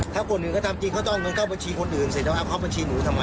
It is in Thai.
ถ้าคนอื่นก็ทำจริงก็ต้องเงินเข้าบัญชีคนอื่นสิแล้วเข้าบัญชีหนูทำไมอ่ะ